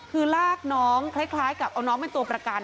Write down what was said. คือลากน้องคล้ายกับเอาน้องเป็นตัวประกัน